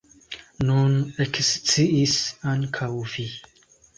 Nun eksciis ankaŭ vi.